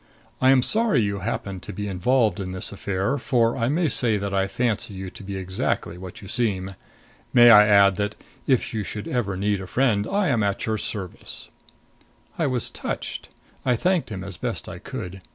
I am sorry you happen to be involved in this affair, for I may say that I fancy you to be exactly what you seem. May I add that, if you should ever need a friend, I am at your service?" I was touched; I thanked him as best I could.